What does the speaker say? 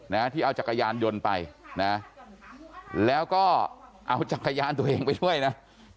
นะที่เอาจักรยานยนต์ไปนะแล้วก็เอาจักรยานตัวเองไปด้วยนะ